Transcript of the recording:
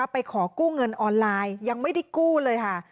ไปขอกู้เงินออนไลน์ยังไม่ได้กู้เลยค่ะ